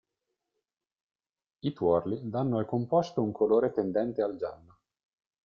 I tuorli danno al composto un colore tendente al giallo.